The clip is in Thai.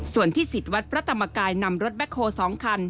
ส่วนที่สิทธิ์วัดพระธรรมกายนำรถแบ็คโฮ๒คัน